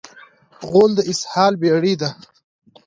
غول د اسهال بېړۍ ده.